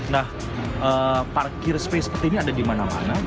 nah parkir space seperti ini ada di mana mana